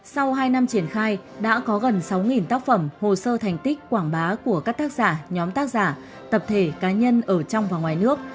sau hai năm triển khai đã có gần sáu tác phẩm hồ sơ thành tích quảng bá của các tác giả nhóm tác giả tập thể cá nhân ở trong và ngoài nước